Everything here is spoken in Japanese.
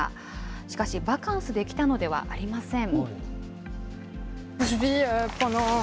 しかし、バカンスで来たのではありません。